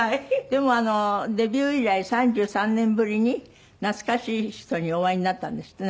でもデビュー以来３３年ぶりに懐かしい人にお会いになったんですって？